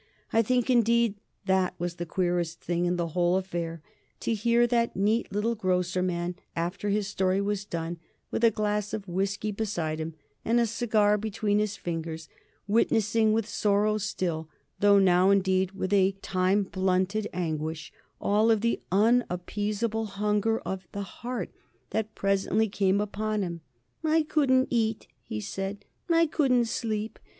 I think, indeed, that was the queerest thing in the whole affair, to hear that neat little grocer man after his story was done, with a glass of whisky beside him and a cigar between his fingers, witnessing, with sorrow still, though now, indeed, with a time blunted anguish, of the inappeasable hunger of the heart that presently came upon him. "I couldn't eat," he said, "I couldn't sleep.